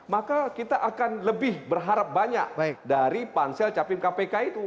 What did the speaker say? maka kita akan lebih berharap banyak dari pansel capim kpk itu